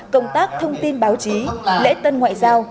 công tác thông tin báo chí lễ tân ngoại giao